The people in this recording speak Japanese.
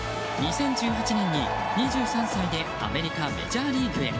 ２０１８年に２３歳でアメリカ、メジャーリーグへ。